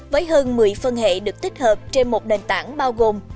với hơn một mươi phân hệ được tích hợp trên một nền tảng bao gồm